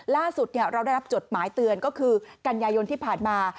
ล่าสุดเราได้รับจดหมายเตือนก็คือกันยายนที่ผ่านมา